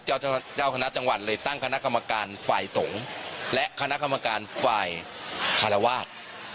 เจ้าเจ้าคณะจังหวัดเลยตั้งคณะกรรมการฝ่ายสงฆ์และคณะกรรมการฝ่ายคารวาส